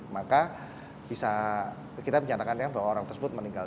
maka kita bisa mencatatkan bahwa orang tersebut meninggal